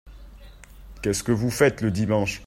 Qu'est-ce que vous faites le dimanche.